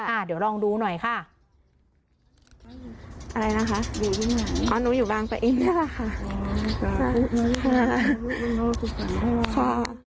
อ่าเดี๋ยวลองดูหน่อยค่ะอะไรนะคะอยู่ที่ไหนอ๋อนุ้ยอยู่บ้างประอินเนี้ยแหละค่ะ